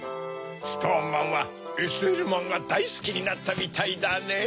ストーンマンはＳＬマンがだいすきになったみたいだねぇ。